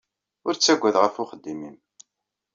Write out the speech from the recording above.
Ur ttagad ɣef uxeddim-nnem.